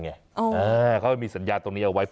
ยืนยันว่าม่อข้าวมาแกงลิงทั้งสองชนิด